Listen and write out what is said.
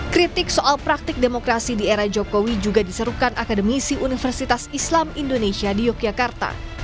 kritik soal praktik demokrasi di era jokowi juga diserukan akademisi universitas islam indonesia di yogyakarta